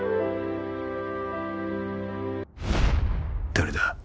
誰だ？